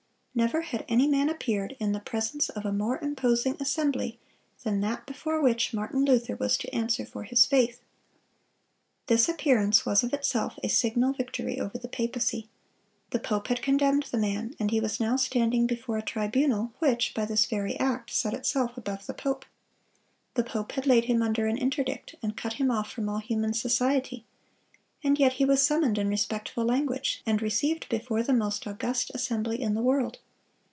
Never had any man appeared in the presence of a more imposing assembly than that before which Martin Luther was to answer for his faith. "This appearance was of itself a signal victory over the papacy. The pope had condemned the man, and he was now standing before a tribunal which, by this very act, set itself above the pope. The pope had laid him under an interdict, and cut him off from all human society; and yet he was summoned in respectful language, and received before the most august assembly in the world.